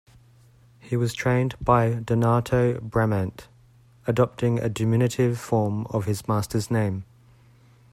He was trained by Donato Bramante, adopting a diminutive form of his master's name.